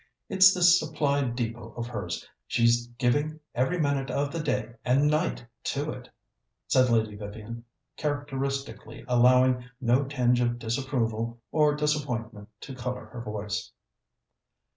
It's this Supply Depôt of hers; she's giving every minute of the day and night to it," said Lady Vivian, characteristically allowing no tinge of disapproval or disappointment to colour her voice.